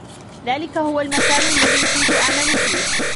ذلك هو المكان الذي كنت أعمل فيه.